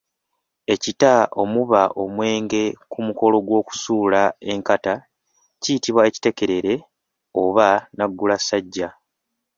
Ekita omuba omwenge ku mukolo gw’okusuula enkata kiyitibwa ekitekerere oba naggulasajja.